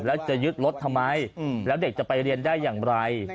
แล้วจะยึดรถทำไมแล้วเด็กจะไปเรียนได้อย่างไร